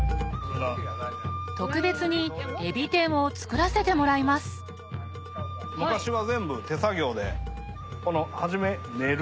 特別にえび天を作らせてもらいます初め練る。